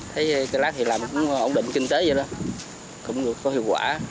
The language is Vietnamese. thấy cây lác thì làm cũng ổn định kinh tế vậy đó cũng được có hiệu quả